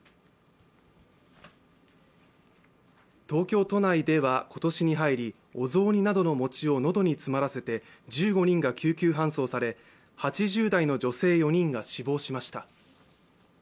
東京都内では今年に入りお雑煮などの餅を喉に詰まらせて１５人が救急搬送され８０代の女性４人が死亡しました。